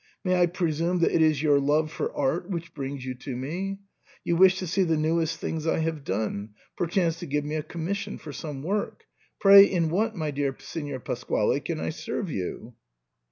May I presume that it is your love for art which brings you to me ? You wish to see the newest things I have done, perchance to give me a commission for some work. Pray in what, my dear Signor Pas quale, can I serve you